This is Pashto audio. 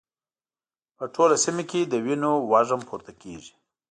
په ټوله سيمه کې د وینو وږم پورته کېږي.